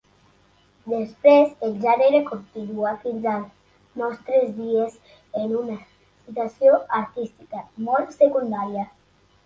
Després el gènere continuà fins als nostres dies en una situació artística molt secundària.